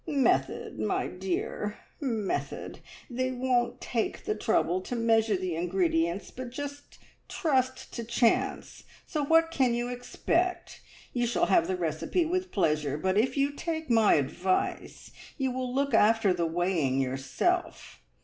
"Method, my dear method! They won't take the trouble to measure the ingredients, but just trust to chance, so what can you expect? You shall have the recipe with pleasure, but if you take my advice you will look after the weighing yourself.